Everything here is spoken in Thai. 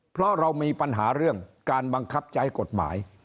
เพราะเรามีปัญหาเรื่องการบังคับใช้กฎหมาย